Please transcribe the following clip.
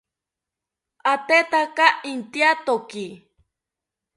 Atetaka intyatoki